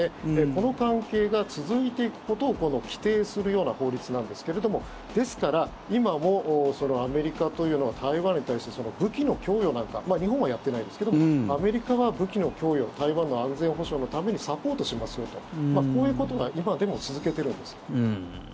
この関係が続いていくことを規定するような法律なんですけどですから今もアメリカというのは台湾に対して武器の供与なんか日本はやってないですけどアメリカは武器の供与を台湾の安全保障のためにサポートしますよとこういうことは今でも続けてるんです。